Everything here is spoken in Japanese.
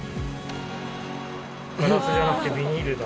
ガラスじゃなくてビニールだ。